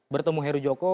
bertemu heru joko